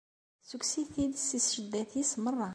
Ssukkes-it-id si cceddat-is merra!